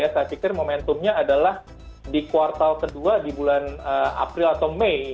saya pikir momentumnya adalah di kuartal kedua di bulan april atau mei